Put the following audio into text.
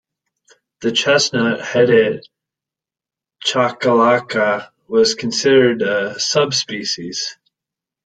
The chestnut-headed chachalaca was considered a subspecies.